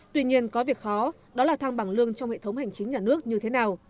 tuy nhiên có việc khó đó là thăng bằng lương trong hệ thống hành chính nhà nước như thế nào